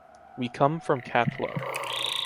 We come from Catllar.